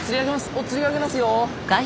おっつり上げますよ。